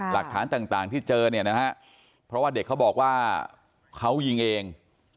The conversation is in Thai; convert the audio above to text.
หลักฐานต่างที่เจอเนี่ยนะฮะเพราะว่าเด็กเขาบอกว่าเขายิงเอง